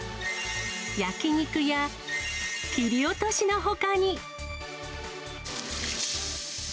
焼き肉や、切り落としのほかに。